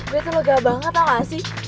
gue tuh loga banget tau gak sih